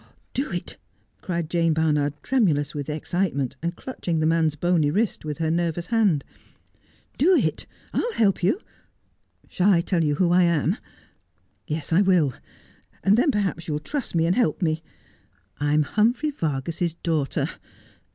'Do it,' cried Jane Barnard, tremulous with excitement, and clutching the man's bonv wrist with her nervous hand. ' Do it ! I'll help you. Shall I'tell you who I am ? Yes, I will : and then perhaps you'll trust me, and help me. I am Hum phrey Vargas's daughter.